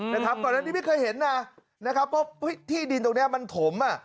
นะครับก่อนอันนี้ไม่เคยเห็นนะนะครับเพราะที่ดินตรงเนี้ยมันถมอ่ะ